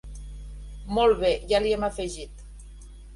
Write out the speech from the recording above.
Molt bé, ja li hem afegit.